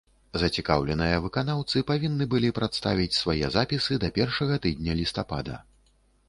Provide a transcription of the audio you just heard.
Зацікаўленыя выканаўцы павінны былі прадставіць свае запісы да першага тыдня лістапада.